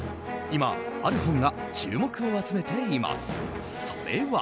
今、ある本が注目を集めていますそれは。